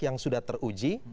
yang sudah teruji